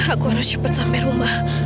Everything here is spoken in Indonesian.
aku harus cepat sampai rumah